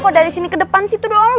kok dari sini ke depan sih tuh doang